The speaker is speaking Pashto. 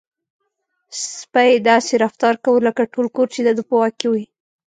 سپی داسې رفتار کاوه لکه ټول کور چې د ده په واک کې وي.